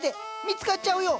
見つかっちゃうよ！